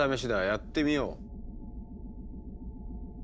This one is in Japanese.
やってみよう。